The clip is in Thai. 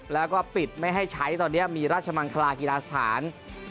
แล้วก็ปิดไม่ให้ใช้ตอนนี้มีราชมังคลากีฬาสถาน